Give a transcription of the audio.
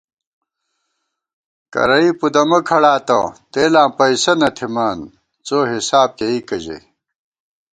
کرَئی پُدَمہ کھڑاتہ تېلاں پَئیسہ نہ تھِمان، څوحِساب کېئیکہ ژَئی